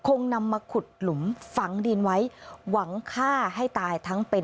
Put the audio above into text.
คงนำมาขุดหลุมฝังดินไว้หวังฆ่าให้ตายทั้งเป็น